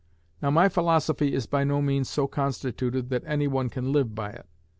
Now my philosophy is by no means so constituted that any one can live by it.